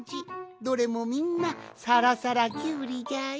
どれもみんなさらさらキュウリじゃよ。